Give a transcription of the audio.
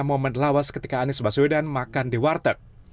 momen lawas ketika anies baswedan makan di warteg